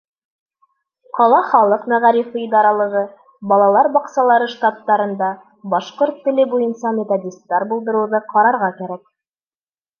Ҡала халыҡ мәғарифы идаралығы, балалар баҡсалары штаттарында башҡорт теле буйынса методистар булдырыуҙы ҡарарға кәрәк.